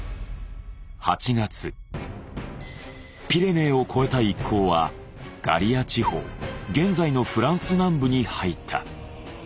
８月ピレネーを越えた一行はガリア地方現在のフランス南部に入った。